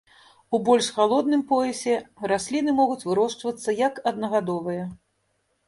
У больш халодным поясе расліны могуць вырошчвацца як аднагадовыя.